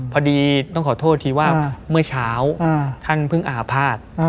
พอดีต้องขอโทษทีว่าเมื่อเช้าท่านเพิ่งอาภาษณ์